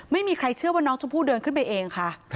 ไม่มีใครเชื่อว่าน้องชมพู่เดินขึ้นไปเองค่ะ